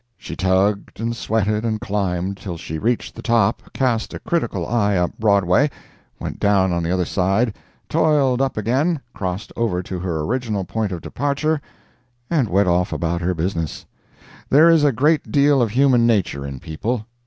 She tugged, and sweated, and climbed, till she reached the top, cast a critical eye up Broadway, went down on the other side, toiled up again, crossed over to her original point of departure, and went off about her business. There is a great deal of human nature in people.